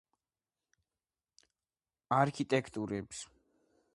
არქიტექტორებს თავიდან ეგონათ, რომ ამ პირობით ამ ადგილას ცათამბჯენის აგება შეუძლებელი იქნებოდა.